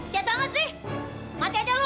jatoh nggak sih mati aja lu